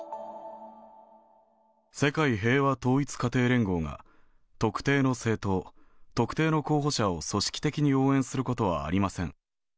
世界平和統一家庭連合が、特定の政党、特定の候補者を組織的に応援することはありません。